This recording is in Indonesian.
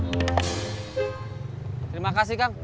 terima kasih kang